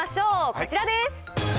こちらです。